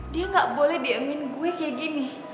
dia gak boleh diamin gue kayak gini